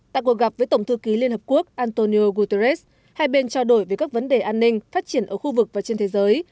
tại cuộc gặp với tổng thư ký liên hợp quốc antonio guterres hai bên trao đổi về các vấn đề an ninh phát triển ở khu vực và trên thế giới